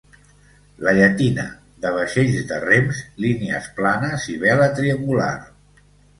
La llatina, de vaixells de rems, línies planes i vela triangular.